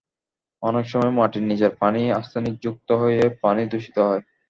অনেক সময় মাটির নিচের পানি আর্সেনিক যুক্ত হয়ে পানি দূষিত হয়।